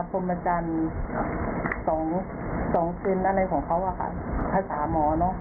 พมจรสองชิ้นอะไรของเขาว่ะค่ะภาษาม้อเนอะ